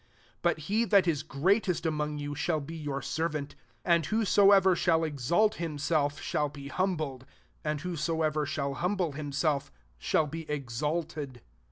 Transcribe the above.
11 But he that is greatest among you, shall be your servant. 12 And whosoever shall exalt himself, shall be humbled ; and whosoever shall humble himself, shall be ex alted.